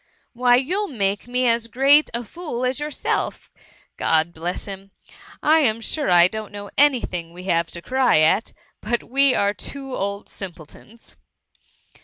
Why you'll make me as great a fool as yourself— God bless him ! I am sure I don't know any thing we have to cry at ; but we are two old simpletons.